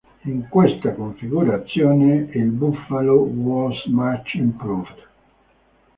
In questa configurazione il Buffalo was much improved.